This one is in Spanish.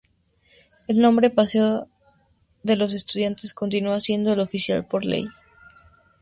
El nombre Paseo de los Estudiantes continúa siendo el oficial por ley.